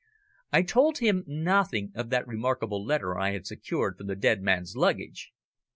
I told him nothing of that remarkable letter I had secured from the dead man's luggage.